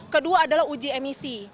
kedua adalah uji emisi